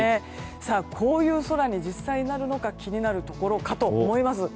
こういう空に実際になるのか気になるところかと思います。